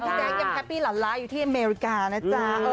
แจ๊กยังแฮปปี้หลานล้าอยู่ที่อเมริกานะจ๊ะ